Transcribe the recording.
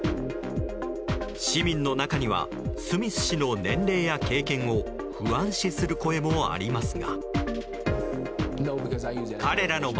市民の中にはスミス氏の年齢や経験を不安視する声もありますが。